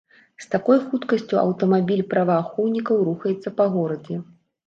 З такой хуткасцю аўтамабіль праваахоўнікаў рухаецца па горадзе.